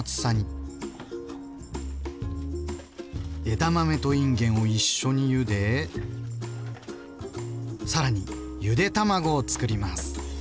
枝豆といんげんを一緒にゆで更にゆで卵をつくります。